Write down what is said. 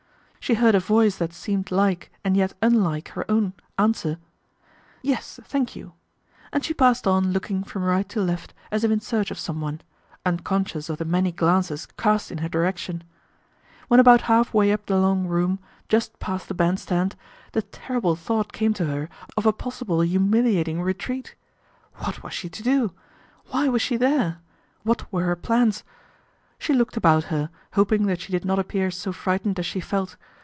She heard a voice that seemed like and yet unlike her own answer, " Yes, thank you," and she passed on looking from right to left as if in search of someone, unconscious of the many glances cast in her direc tion. When about half way up the long room, just past the bandstand, the terrible thought came to her of a possible humiliating retreat. What was she to do ? Why was she there ? What were her plans ? She looked about her, hoping that she did not appear so frightened as she felt.